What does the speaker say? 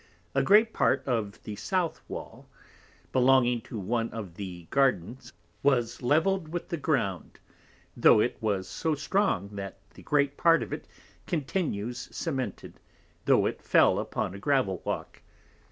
A great part of the South wall belonging to one of the Gardens was levelled with the Ground; tho' it was so strong, that great part of it continues cemented, tho' it fell upon a Gravel walk.